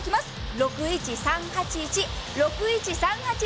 ６１３８１６１３８１。